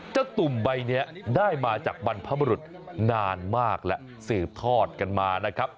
ตุ่มใบนี้ได้มาจากบรรพบรุษนานมากและสืบทอดกันมานะครับ